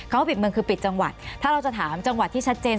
ว่าปิดเมืองคือปิดจังหวัดถ้าเราจะถามจังหวัดที่ชัดเจน